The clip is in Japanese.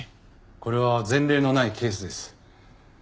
これは前例のないケースです。